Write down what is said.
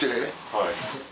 はい。